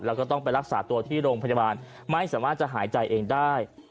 แล้วก็ต้องไปรักษาตัวที่โรงพยาบาลไม่สามารถจะหายใจเองได้